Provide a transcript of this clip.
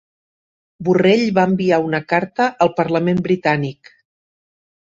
Borrell va enviar una carta al parlament britànic